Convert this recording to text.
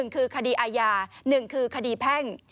คือคดีอาญา๑คือคดีแพ่ง